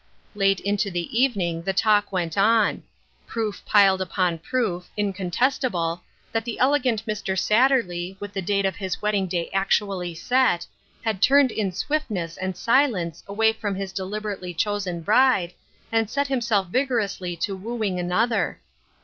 Late into the evening the talk went on. Proof piled on proof, incontestable, that the elegant Mr. Satterley, with the date of his wedding day actually set, had turned in swiftness and silence away from his deliberately chosen bride, and set himself vigorously to wooing another.